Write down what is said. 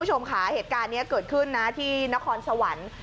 คุณผู้ชมค่ะเหตุการณ์นี้เกิดขึ้นนะที่นครสวรรค์